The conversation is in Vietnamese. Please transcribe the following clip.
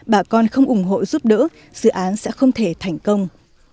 bà con không ủng hộ giúp đỡ dự án sẽ không thể thành công